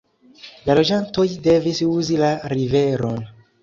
La loĝantoj devis uzi la riveron.